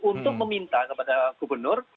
untuk meminta kepada gubernur